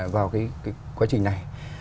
vào cái quá trình này